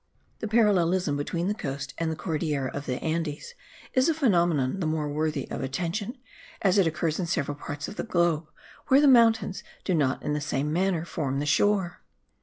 The parallelism between the coast and the Cordillera of the Andes is a phenomenon the more worthy of attention, as it occurs in several parts of the globe where the mountains do not in the same manner form the shore.